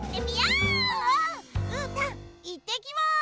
うーたんいってきます！